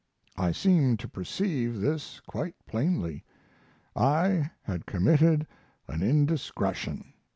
I seemed to perceive this quite plainly. I had committed an indiscretion.